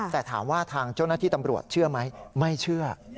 แต่ถามว่าทางเจ้าหน้าที่ตำรวจเชื่อไหมไม่เชื่อ